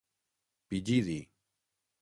Pigidi: